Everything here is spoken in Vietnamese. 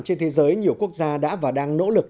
trên thế giới nhiều quốc gia đã và đang nỗ lực